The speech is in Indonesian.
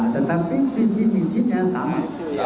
tetapi visi misinya sama